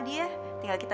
buat gue aja ya